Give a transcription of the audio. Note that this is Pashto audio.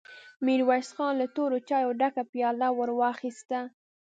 ميرويس خان له تورو چايو ډکه پياله ور واخيسته.